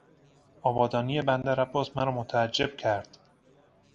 آبادانی بندرعباس مرا متعجب کرد.